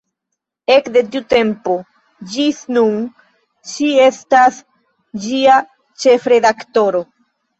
Ekde tiu tempo ĝis nun ŝi estas ĝia ĉefredaktoro.